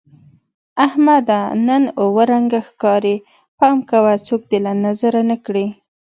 احمده! نن اووه رنگه ښکارې. پام کوه څوک دې له نظره نه کړي.